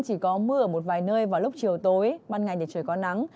tây nguyên có mưa ở một vài nơi vào lúc chiều tối ban ngày thì trời có nắng